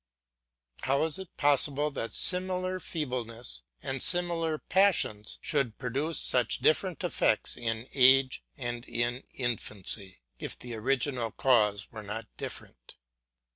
How is it possible that similar feebleness and similar passions should produce such different effects in age and in infancy, if the original cause were not different?